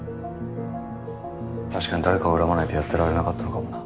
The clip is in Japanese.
確かに誰かを恨まないとやってられなかったのかもな。